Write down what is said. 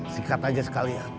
singkat aja sekali ya